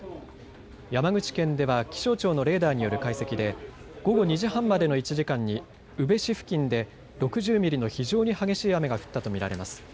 山口県では気象庁のレーダーによる解析で午後２時半までの１時間に宇部市付近で６０ミリの非常に激しい雨が降ったと見られます。